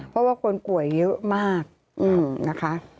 เพราะว่าคนป่วยเยอะมากนะคะ